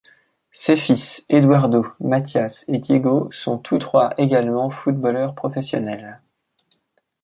Ses fils, Eduardo, Matías et Diego, sont tous trois également footballeurs professionnels.